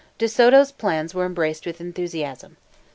De Soto's plans were embraced with enthusiasm.